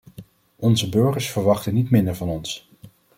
Onze burgers verwachten niet minder van ons.